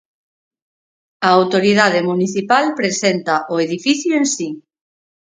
A autoridade municipal presenta o "Edificio en Si".